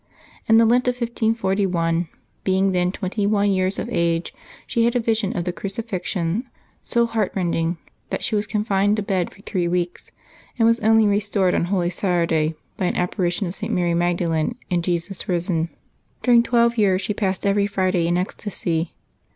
In the Lent of 1541, being then twenty one 37ears of age, she liad a vision of the crucifixion so heart rending that she was confined to bed for three weeks, and was only restored, on Holy Saturday, by an apparition of St. Mary Magdalene and Jesus risen. During twelve years she passed every Friday in ecstasy.